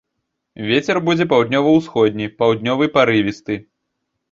Вецер будзе паўднёва-ўсходні, паўднёвы парывісты.